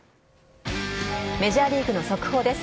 メジャーリーグの速報です。